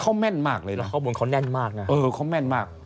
เขาแม่นมากเลยนะข้างบนเขาแน่นมากนะเออเขาแม่นมาก